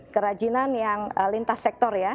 kerajinan yang lintas sektor ya